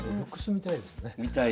みたいですよね。